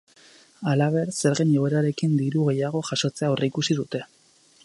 Halaber, zergen igoerarekin diru gehiago jasotzea aurreikusi dute.